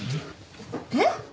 えっ？